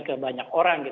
ke banyak orang